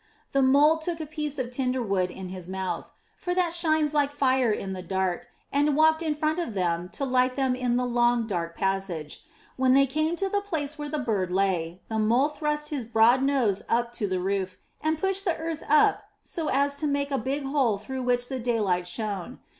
The Mole took a piece of tinder wood in his mouth, for that shines like fire in the dark, and walked in front of them to light them in the long, dark passage. When they came to the place where the bird lay, the Mole thrust his broad nose up to the roof and pushed the earth up so as to make a big hole through which the daylight shone.